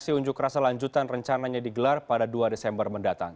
aksi unjuk rasa lanjutan rencananya digelar pada dua desember mendatang